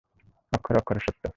অক্ষরে অক্ষরে সত্য।